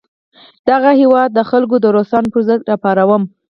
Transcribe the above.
د هغه هیواد خلک د روسانو پر ضد را پاروم.